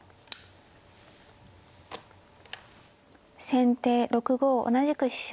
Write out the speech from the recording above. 先手６五同じく飛車。